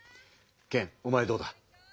ケンおまえどうだ？